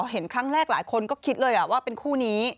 เห็นครั้งแรกหลายคนก็คิดเลยว่าเป็นคู่นี้